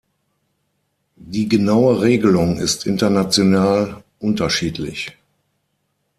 Die genaue Regelung ist international unterschiedlich.